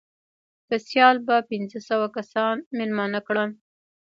که سیال به پنځه سوه کسان مېلمانه کړل.